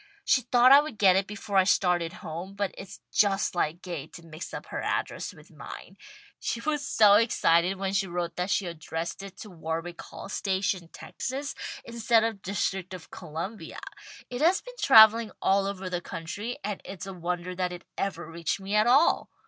She thought I would get it before I started home; but it's just like Gay to mix up her address with mine. She was so excited when she wrote that she addressed it to Warwick Hall Station, Texas, instead of District of Columbia. It has been travelling all over the country, and it's a wonder that it ever reached me at all."